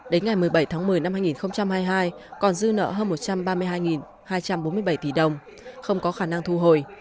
đến ngày một mươi bảy tháng một mươi năm hai nghìn hai mươi hai còn dư nợ hơn một trăm ba mươi hai hai trăm bốn mươi bảy tỷ đồng không có khả năng thu hồi